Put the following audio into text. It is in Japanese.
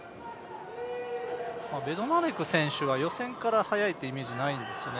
ベドナレク選手は予選から速いというイメージがないんですね。